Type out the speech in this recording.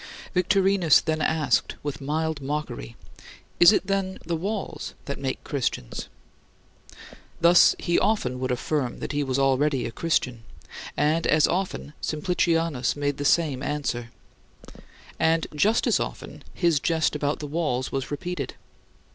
Victorinus then asked, with mild mockery, "Is it then the walls that make Christians?" Thus he often would affirm that he was already a Christian, and as often Simplicianus made the same answer; and just as often his jest about the walls was repeated.